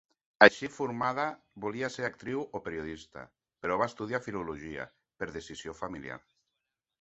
Així formada, volia fer-se actriu o periodista, però va estudiar filologia per decisió familiar.